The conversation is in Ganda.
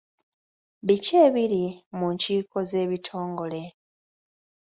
Biki ebiri mu nkiiko z'ebitongole?